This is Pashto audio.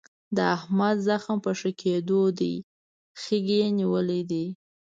د احمد زخم په ښه کېدو دی. خیګ یې نیولی دی.